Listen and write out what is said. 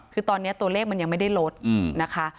คือตอนนี้ตัวเลขมันยังไม่ได้ลดนะคะ